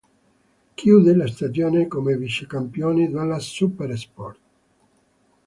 Chiude la stagione come vice-campione della Supersport.